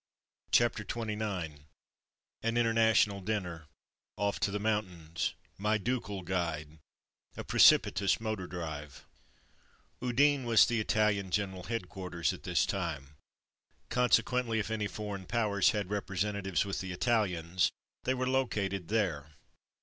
CHAPTER XXIX AN INTERNATIONAL DINNER — OFF TO THE MOUNTAINS — MY DUCAL GUIDE — ^A PRE CIPITOUS MOTOR DRIVE Udine was the Italian General Head quarters at this time; consequently, if any foreign powers had representatives with the Italians, they were located there.